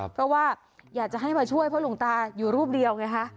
เพราะว่าอยากจะให้มาช่วยเพราะหลวงตาอยู่รูปเดียวไงคะ